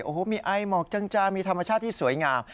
โอ้โหมีไอหมอกจานมีธรรมชาติที่สวยงาม